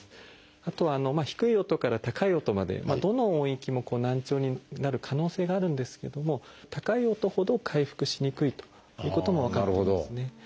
あと低い音から高い音までどの音域も難聴になる可能性があるんですけども高い音ほど回復しにくいということも分かってますね。